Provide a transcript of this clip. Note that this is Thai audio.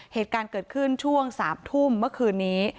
เหตุการณ์เกิดขึ้นช่วง๓ทุ่มเมื่อคืนนี้